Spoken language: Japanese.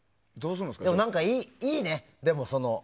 でも何か、いいね。